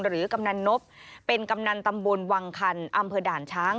กำนันนบเป็นกำนันตำบลวังคันอำเภอด่านช้าง